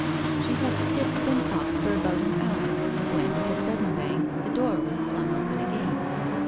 '* She had stitched and thought for about an hour when, with a sudd^en bang, the door was flung open again.